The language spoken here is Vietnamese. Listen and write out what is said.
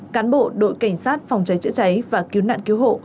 cán bộ đội cảnh sát phòng cháy chữa cháy và cứu nạn cứu hộ